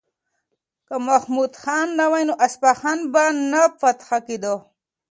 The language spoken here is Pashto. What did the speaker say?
که محمود خان نه وای نو اصفهان به نه فتح کېدو.